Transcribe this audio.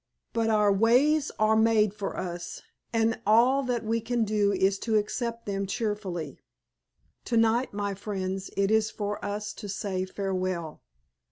But our ways are made for us, and all that we can do is to accept them cheerfully. To night, my friends, it is for us to say farewell."